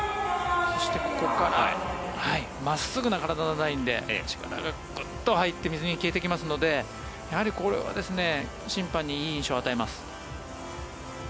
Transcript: そしてここから真っすぐな体のラインで力がグッと入って水に消えていきますので審判にいい印象を与えます。